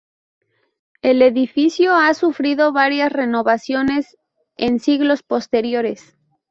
El edificio ha sufrido varias renovaciones en siglos posteriores.